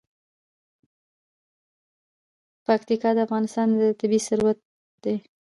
پکتیا د افغانستان طبعي ثروت دی.